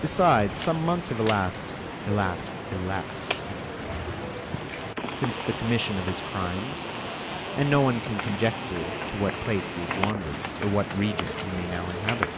Besides, some months have elapsed since the commission of his crimes, and no one can conjecture to what place he has wandered or what region he may now inhabit."